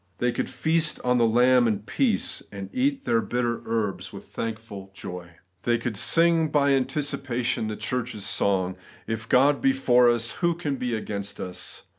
They could feast upon the lamb in peace, and eat their bitter herbs with thankful joy. They could God^s Recognition of Substitution. 19 sing by anticipation the Churcli's song, ' If God be for US, who can be against us